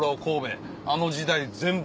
あの時代全部。